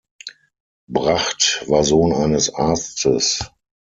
Bracht war Sohn eines Arztes.